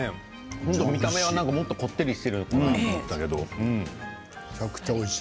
見た目はもっとこってりしているかとめちゃめちゃおいしい。